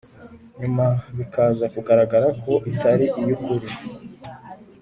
nyuma bikaza kugaragara ko itari iy’ukuri.